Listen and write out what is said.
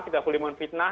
tidak boleh memfitnah